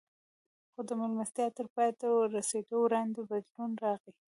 خو د مېلمستیا تر پای ته رسېدو وړاندې بدلون راغی